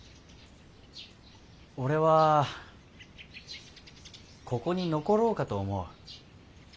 俺はここに残ろうかと思う。